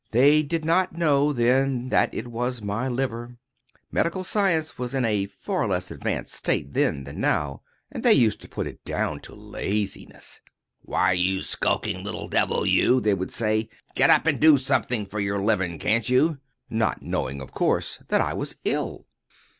They did not know, then, that it was my liver. Medical science was in a far less advanced state than now, and they used to put it down to laziness. "Why, you skulking little devil, you," they would say, "get up and do something for your living, can't you?"—not knowing, of course, that I was ill.